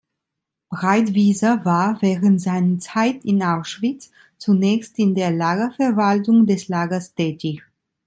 Breitwieser war während seiner Zeit in Auschwitz zunächst in der Lagerverwaltung des Lagers tätig.